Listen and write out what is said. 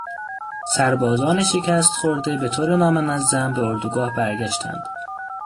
سربازان شکست خورده به طور نامنظم به اردوگاه برگشتند.